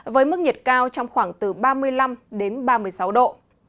với mức nhiệt cao trong khoảng từ ba mươi năm đến ba mươi sáu độ